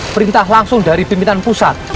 perintah langsung dari pimpinan pusat